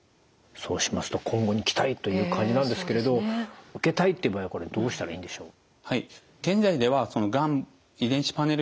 そうしますと今後に期待という感じなんですけれど受けたいっていう場合はこれどうしたらいいんでしょう？